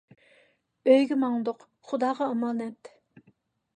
ئۆيگە ماڭدۇق، خۇداغا ئامانەت!